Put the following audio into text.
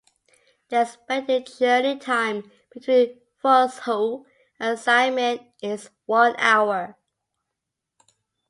The expected journey time between Fuzhou and Xiamen is one hour.